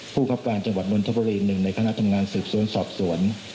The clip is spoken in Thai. ครับการจังหวัดนนทบุรีหนึ่งในคณะทำงานสืบสวนสอบสวน